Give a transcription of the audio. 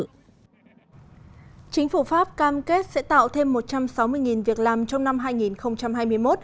chính phủ pháp cam kết sẽ tạo thêm một trăm sáu mươi việc làm trong năm hai nghìn hai mươi một